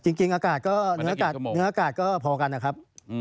จริงเนื้ออากาศก็พอกันนะครับ